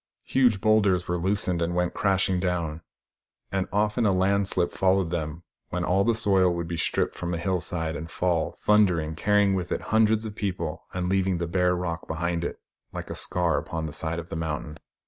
Huge boulders were loosened and went crashing down ; and often a landslip followed them, when all the soil would be stripped from a hill side and fall, thundering, carrying with it hundreds of people and leaving the bare rock behind it, like a scar upon the side of the mountain.